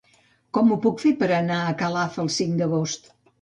Com ho puc fer per anar a Calaf el cinc d'agost?